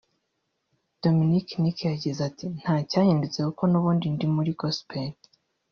Dominic Nick yagize ati “ Nta cyahindutse kuko n’ubundi ndi muri gospel